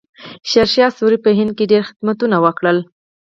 شیرشاه سوري په هند کې ډېر خدمتونه وکړل.